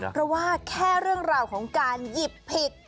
เพราะว่าแค่เรื่องราวของการหยิบผิด